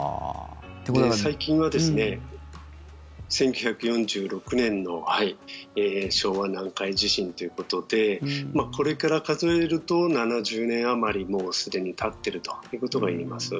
最近は１９４６年の昭和南海地震ということでこれから数えると７０年あまりもうすでにたっているということが言えます。